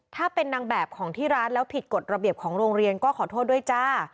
ถ้าเป็นนางแบบของที่ร้านแล้วผิดกฎระเบียบของโรงเรียนก็ขอโทษด้วยจ้า